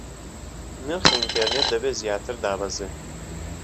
نرخی ئینتێڕنێت دەبێ زیاتر دابەزێ